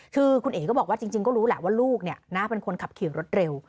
คือคุณเอ๋ก็บอกว่าจริงก็รู้แหละว่าลูกเป็นคนขับขี่รถเร็ว